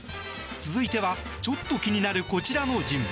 続いては、ちょっと気になるこちらの人物。